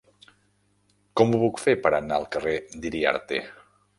Com ho puc fer per anar al carrer d'Iriarte?